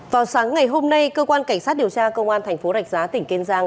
vào sáng ngày hôm nay cơ quan cảnh sát điều tra công an tp rạch giá tỉnh kênh giang